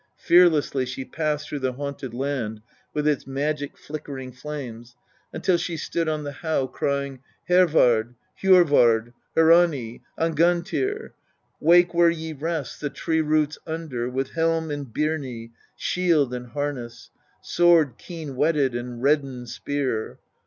Fearlessly she passed through the haunted land with its magic flickering flames until she stood on the howe, crying : Harvard, Hjorvard, Hrani, Angantyr ! Wake where ye rest the tree roots under with helm and byrnie, shield and harness, sword keen whetted and reddened spear